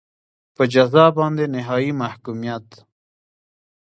په جزا باندې نهایي محکومیت.